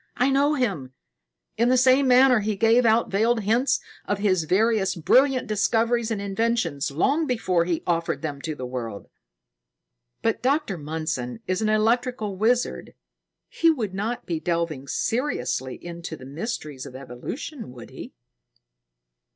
I know him. In the same manner he gave out veiled hints of his various brilliant discoveries and inventions long before he offered them to the world." "But Dr. Mundson is an electrical wizard. He would not be delving seriously into the mysteries of evolution, would he?"